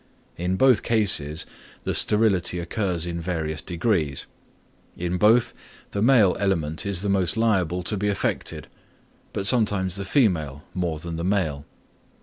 In both cases the sterility occurs in various degrees; in both, the male element is the most liable to be affected; but sometimes the female more than the male.